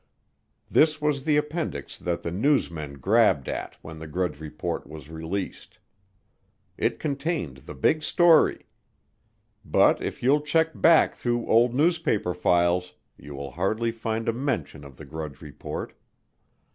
This was the appendix that the newsmen grabbed at when the Grudge Report was released. It contained the big story. But if you'll check back through old newspaper files you will hardly find a mention of the Grudge Report.